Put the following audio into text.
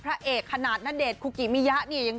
พระเอกขนาดณเดชน์คุกีมี่ยะ